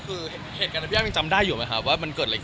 มึงก็งงดว่าหาจริงแต่ไหนมานานบอรมอีก